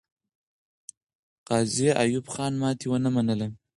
غازي ایوب خان ماتې ونه منله.